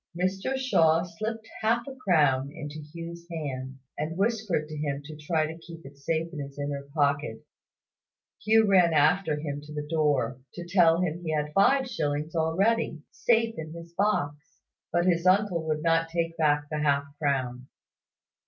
Mr Shaw slipped half a crown into Hugh's hand, and whispered to him to try to keep it safe in his inner pocket Hugh ran after him to the door, to tell him he had five shillings already safe in his box: but his uncle would not take back the half crown.